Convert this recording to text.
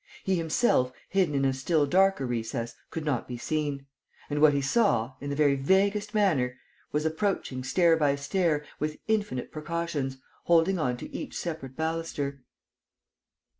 He himself, hidden in a still darker recess, could not be seen. And what he saw in the very vaguest manner was approaching stair by stair, with infinite precautions, holding on to each separate baluster.